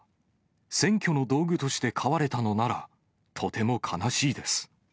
選挙の道具として飼われたのなら、とても悲しいです。